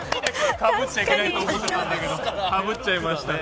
かぶっちゃいけないと思ってたんだけどかぶっちゃいましたね。